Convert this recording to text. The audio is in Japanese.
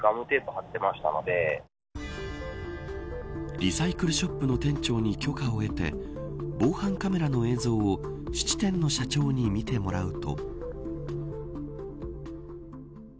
リサイクルショップの店長に許可を得て防犯カメラの映像を質店の社長に見てもらうと。